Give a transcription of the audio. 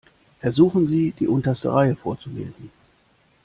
Versuchen Sie, die unterste Reihe vorzulesen.